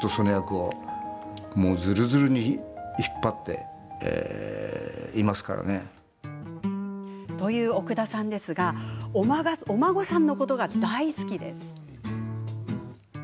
そういう意味ではという奥田さんですがお孫さんのことが大好き。